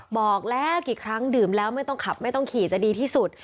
บอกแล้วกี่ครั้งดื่มแล้วไม่ต้องขับไม่ต้องขี่จะดีที่สุด